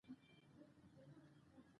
مالي مدیریت ژوند ته نظم ورکوي.